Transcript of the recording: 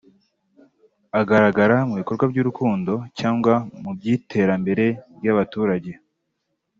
agaragara mu bikorwa by’urukundo cyangwa mu by’iterambere ry’abaturage